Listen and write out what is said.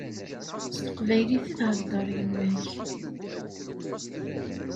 S teqbaylit i theddeṛ yemma-k.